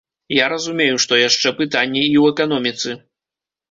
Я разумею, што яшчэ пытанне і ў эканоміцы.